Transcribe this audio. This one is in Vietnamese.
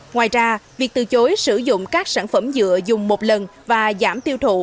ngoài ra việc từ chối sử dụng các sản phẩm dựa dùng một lần và giảm tiêu thụ